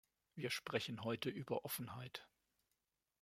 Wir sprechen heute über Offenheit.